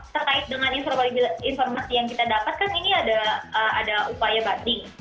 terkait dengan informasi yang kita dapatkan ini ada upaya banding